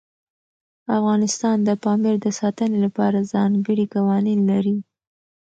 افغانستان د پامیر د ساتنې لپاره ځانګړي قوانین لري.